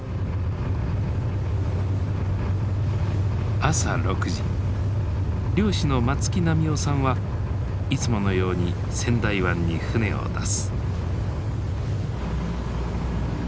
朝６時漁師の松木波男さんはいつものように仙台湾に船を出す。